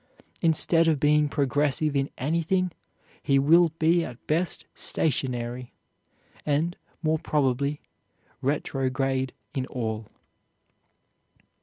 Instead of being progressive in anything, he will be at best stationary, and, more probably, retrograde in all."